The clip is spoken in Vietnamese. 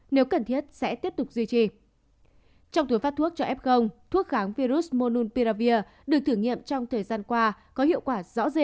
nếu tình trạng này cứ kéo mãi thì không ổn do đó